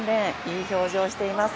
いい表情をしています。